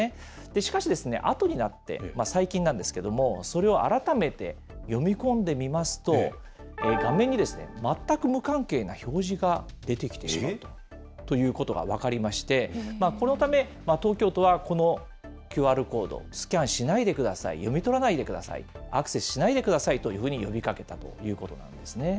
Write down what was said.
しかし、あとになって、最近なんですけれども、それを改めて読み込んでみますと、画面にですね、全く無関係な表示が出てきてしまうということが分かりまして、このため、東京都はこのＱＲコードをスキャンしないでください、読み取らないでください、アクセスしないでくださいというふうに呼びかけたということなんですね。